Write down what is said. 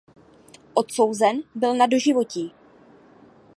Odsouzen byl na doživotí.